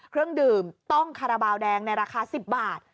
เครื่องดื่มต้องคาราบาลแดงในราคา๑๐บาท